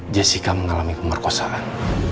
jessica mengalami kemerkosaan